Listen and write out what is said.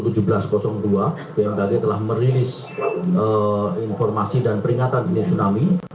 bmkg telah merilis informasi dan peringatan dini tsunami